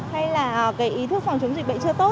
hay là cái ý thức phòng chống dịch bệnh chưa tốt